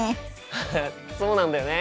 フフッそうなんだよね。